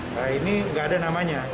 nah ini nggak ada namanya